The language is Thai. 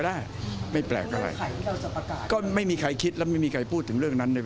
ถ้าเกิดว่าจะใช้นี่ประกาศตามมาได้ทันทีเลยใช่ไหม